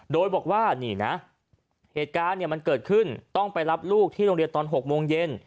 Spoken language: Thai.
โดยบอกว่านี่นะเหตุการณ์มันเกิดขึ้นต้องไปรับลูกที่โรงเรียนตอน๖โมงเย็น